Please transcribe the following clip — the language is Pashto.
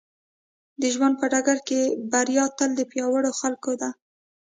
د ژوند په ډګر کې بريا تل د پياوړو خلکو ده.